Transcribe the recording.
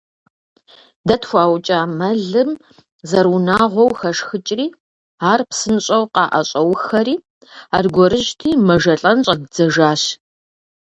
Дэ тхуаукӀа мэлым зэрыунагъуэу хэшхыкӀри, ар псынщӀэу къаӀэщӀэухэри, аргуэрыжьти, мэжэлӀэн щӀэддзэжащ.